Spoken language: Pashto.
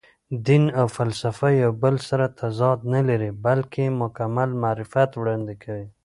دین او فلسفه یو بل سره تضاد نه لري، بلکې مکمل معرفت وړاندې کوي.